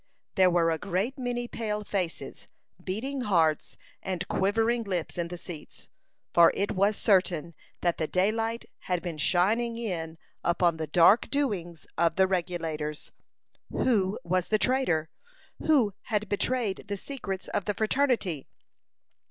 There were a great many pale faces, beating hearts, and quivering lips in the seats, for it was certain that the daylight had been shining in upon the dark doings of the Regulators. Who was the traitor? who had betrayed the secrets of the fraternity?